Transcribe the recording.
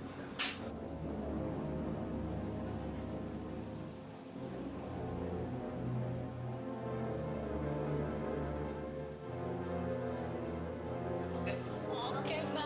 silahkan masuk ke dalam